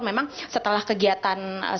memang setelah kegiatan